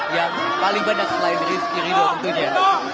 yang paling banyak selain rizky ridho tentunya